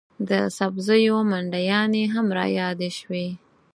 د سبزیو منډیانې هم رایادې شوې.